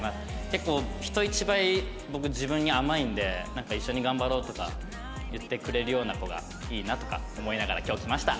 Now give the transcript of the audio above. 結構人一倍僕自分に甘いんで一緒に頑張ろうとか言ってくれるような子がいいなとか思いながら今日来ました。